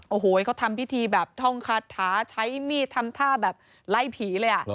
โอ้โหเขาทำพิธีแบบท่องคาถาใช้มีดทำท่าแบบไล่ผีเลย